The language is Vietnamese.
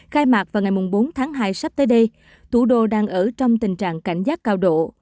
khai mạc vào ngày bốn tháng hai sắp tới đây thủ đô đang ở trong tình trạng cảnh giác cao độ